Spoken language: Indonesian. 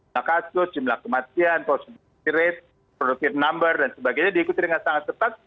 nakasus jumlah kematian possibility rate productive number dan sebagainya diikuti dengan sangat cepat